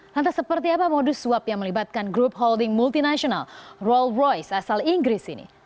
lantas seperti apa modus suap yang melibatkan grup holding multinasional rolls royce asal inggris ini